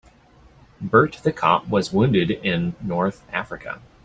Bert the cop was wounded in North Africa.